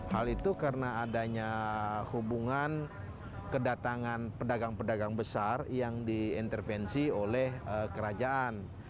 hal itu karena adanya hubungan kedatangan pedagang pedagang besar yang diintervensi oleh kerajaan